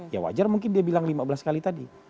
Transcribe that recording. ya wajar mungkin dia bilang lima belas kali tadi